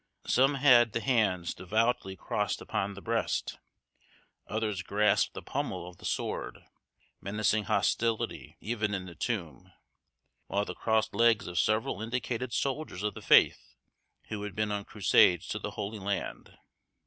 Some had the hands devoutly crossed upon the breast; others grasped the pommel of the sword, menacing hostility even in the tomb, while the crossed legs of several indicated soldiers of the Faith who had been on crusades to the Holy Land.